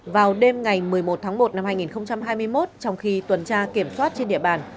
vào đêm ngày một mươi một tháng một năm hai nghìn hai mươi một trong khi tuần tra kiểm soát trên địa bàn